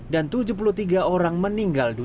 dan tujuh puluh tiga orang meninggal